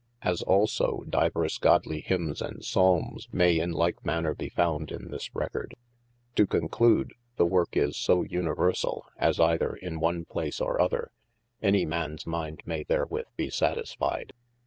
As also divers godly himnes and Psalmes may in like manner be founde in this recorde. To conclude, the worke is so universall, as either in one place or other, any mans mind may therewith be satisfied.